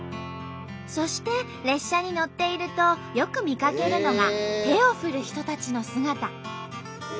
そして列車に乗っているとよく見かけるのが手を振る人たちの姿。